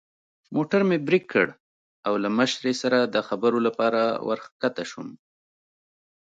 موټر مې برېک کړ او له مشرې سره د خبرو لپاره ور کښته شوم.